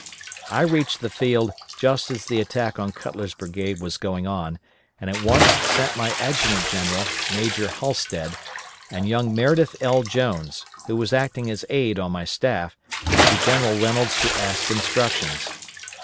I reached the field just as the attack on Cutler's brigade was going on, and at once sent my adjutant general, Major Halstead, and young Meredith L. Jones, who was acting as aide on my staff, to General Reynolds to ask instructions.